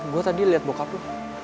gue tadi liat bokap lu